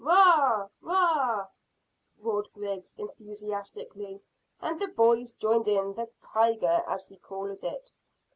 Bagh! Bagh! Bagh_!" roared Griggs enthusiastically, and the boys joined in the "tiger," as he called it.